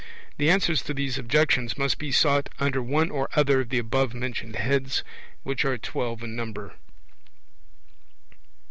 The answers to these objections must be sought under one or other of the above mentioned heads, which are twelve in number.